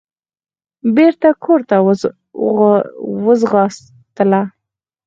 بېرته کورته وځغاستله.